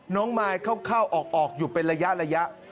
มายเข้าออกอยู่เป็นระยะ